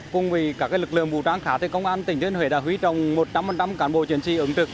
cùng với các lực lượng bù trang khá thì công an thứ thiên huế đã huy động một trăm linh cán bộ chiến sĩ ứng trực